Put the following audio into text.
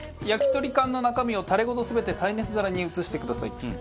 焼き鳥缶の中身をタレごと全て耐熱皿に移してください。